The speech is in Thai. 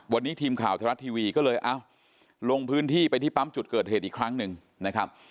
วันนี้ทีมข่าวไทยรัฐทีวีก็เลยเอ้าลงพื้นที่ไปที่ปั๊มจุดเกิดเหตุอีกครั้งหนึ่งนะครับ